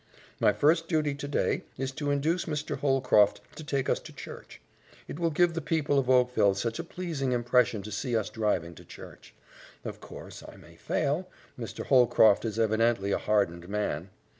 My first duty today is to induce Mr. Holcroft to take us to church. It will give the people of Oakville such a pleasing impression to see us driving to church. Of course, I may fail, Mr. Holcroft is evidently a hardened man.